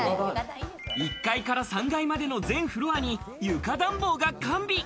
１階から３階までの全フロアに床暖房が完備。